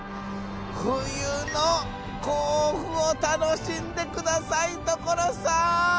冬の甲府を楽しんでください所さん！